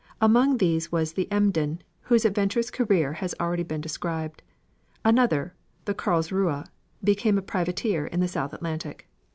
Among these was the Emden, whose adventurous career has been already described. Another, the Karlsruhe, became a privateer in the South Atlantic.